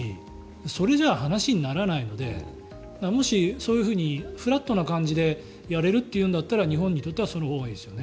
それじゃ話にならないのでもし、そういうふうにフラットな感じでやれるというんだったら日本にとってはそのほうがいいですよね。